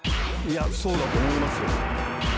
そうだと思いますよ。